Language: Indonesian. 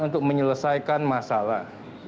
untuk menyelesaikan masalah